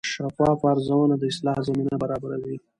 شفاف ارزونه د اصلاح زمینه برابروي.